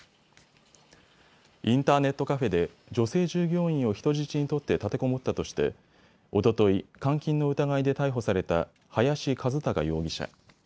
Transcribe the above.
インターネットカフェで女性従業員を人質に取って立てこもったとしておととい、監禁の疑いで逮捕された林一貴容疑者。